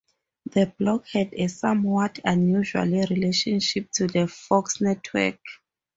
The block had a somewhat unusual relationship to the Fox network.